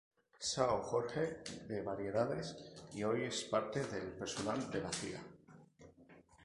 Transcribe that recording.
São Jorge de Variedades y hoy es parte del personal de la Cía.